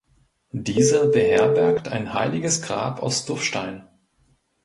Dieser beherbergt ein Heiliges Grab aus Tuffstein.